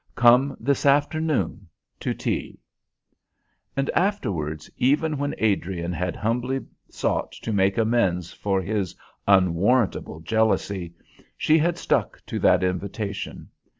"Come this afternoon to tea." And afterwards, even when Adrian had humbly sought to make amends for his unwarrantable jealousy, she had stuck to that invitation.